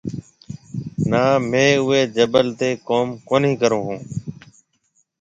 نا مهيَ اُوئي جبل تي ڪوم ڪونهي ڪرون هون۔